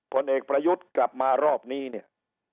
ผลเอกประยุทธ์กลับมารอบนี้เนี่ย